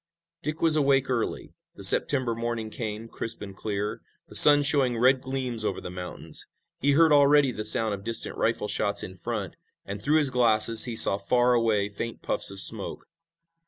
Dick was awake early. The September morning came, crisp and clear, the sun showing red gleams over the mountains. He heard already the sound of distant rifle shots in front, and, through his glasses, he saw far away faint puffs of smoke.